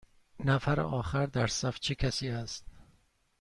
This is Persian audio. نفر آخر در صف چه کسی است؟